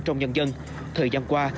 trong nhân dân thời gian qua